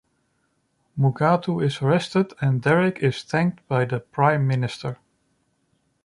Mugatu is arrested, and Derek is thanked by the Prime Minister.